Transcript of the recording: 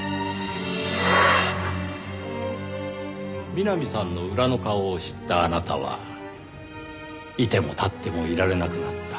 みなみさんの裏の顔を知ったあなたはいてもたってもいられなくなった。